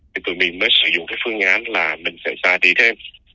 thì tụi mình mới sử dụng cái phương án là mình sẽ xài tỷ thêm